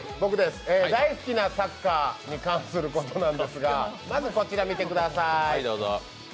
大好きなサッカーに関することなんですがまずこちらを見てください。